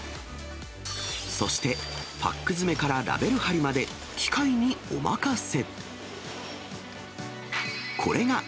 そして、パック詰めからラベル貼りまで機械にお任せ。